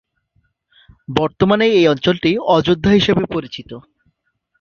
বর্তমানে এই অঞ্চলটি অযোধ্যা হিসেবে পরিচিত।